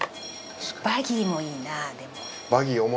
バギーもいいなでも。